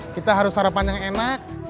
kita harus sarapan yang enak